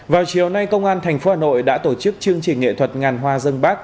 vào chiều nay công an tp hà nội đã tổ chức chương trình nghệ thuật ngàn hoa dân bác